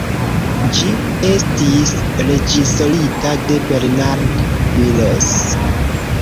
Ĝi estis reĝisorita de Bernard Miles.